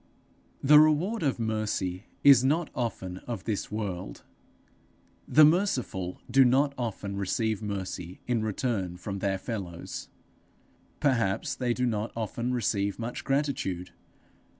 The reward of mercy is not often of this world; the merciful do not often receive mercy in return from their fellows; perhaps they do not often receive much gratitude.